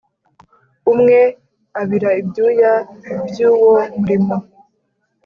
Umwe abira ibyuya by'uwo murimo